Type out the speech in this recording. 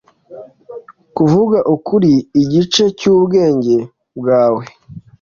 kuvuga ukuri-igice cyubwe nge bwa we